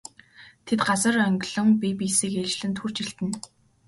Тэд газар онгилон бие биесийг ээлжлэн түрж элдэнэ.